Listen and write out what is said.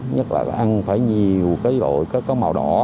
nhất là ăn phải nhiều cái màu đỏ